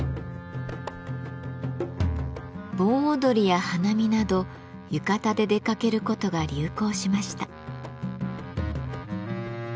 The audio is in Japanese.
盆踊りや花見など浴衣で出かけることが流行しました。